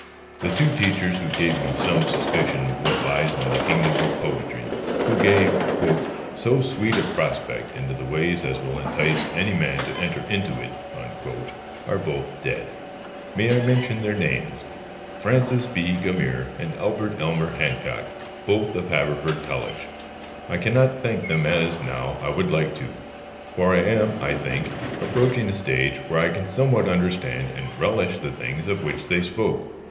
The two teachers who first gave me some suspicion of what lies in the kingdom of poetry who gave "so sweet a prospect into the way as will entice any man to enter into it" are both dead. May I mention their names? Francis B. Gummere and Albert Elmer Hancock, both of Haverford College. I cannot thank them as, now, I would like to. For I am (I think) approaching a stage where I can somewhat understand and relish the things of which they spoke.